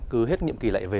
cứ hết nhiệm kỳ lại về